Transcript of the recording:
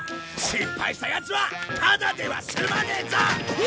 失敗したヤツはただでは済まねえぞ！